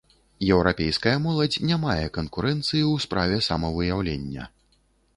Еўрапейская моладзь не мае канкурэнцыі ў справе самавыяўлення.